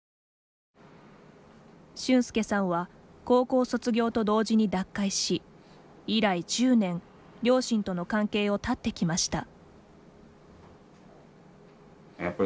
俊介さんは高校卒業と同時に脱会し以来１０年両親との関係を絶ってきました。